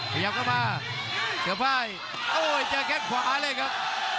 ขยับเข้ามาเจือพ่ายโอ้ยเจอกัดขวาได้ครับ